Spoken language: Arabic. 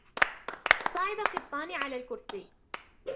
صعد قطان على الكرسي.